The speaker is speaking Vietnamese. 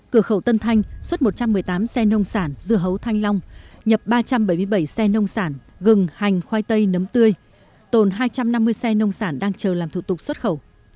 cửa khẩu tân thanh xuất một trăm một mươi tám xe nông sản dưa hấu thanh long nhập ba trăm bảy mươi bảy xe nông sản gừng hành khoai tây nấm tươi tồn hai trăm năm mươi xe nông sản đang chờ làm thủ tục xuất khẩu